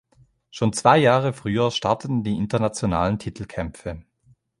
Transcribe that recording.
Schon zwei Jahre früher starteten die internationalen Titelkämpfe.